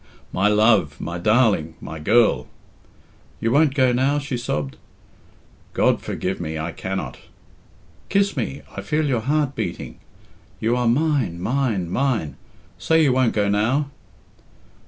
"My love! My darling! My girl!" "You won't go now?" she sobbed. "God forgive me, I cannot." "Kiss me. I feel your heart beating. You are mine mine mine! Say you won't go now!"